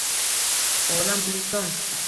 Olam guliston!